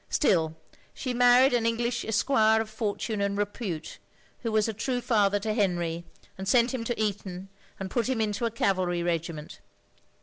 Still, she married an English esquire of forttme and repute, who was a true father to Henry, and sent him to Eton, and put him into a cavalry regiment.